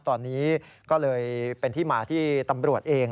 ตอนนี้ก็เลยเป็นที่มาที่ตำรวจเอง